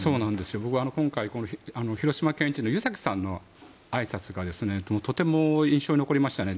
僕、今回広島県知事の湯崎さんのあいさつがとても印象に残りましたね。